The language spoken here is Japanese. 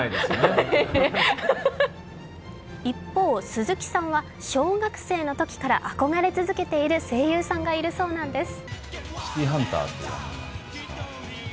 鈴木さんは小学生のときから憧れ続けている声優さんがいるそうなんです。